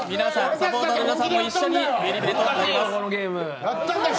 サポーターの皆さんも一緒にビリビリとなります。